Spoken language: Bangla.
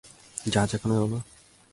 জাজ এখনো এলো না?